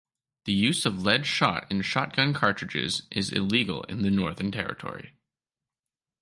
The use of lead shot in shotgun cartridges is illegal in the Northern Territory.